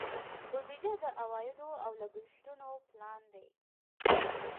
بودیجه د عوایدو او لګښتونو پلان دی.